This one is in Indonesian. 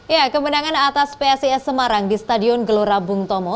ya kemenangan atas psis semarang di stadion gelora bung tomo